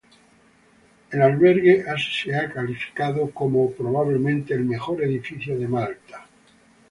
El albergue ha sido calificado como "probablemente el mejor edificio de Malta".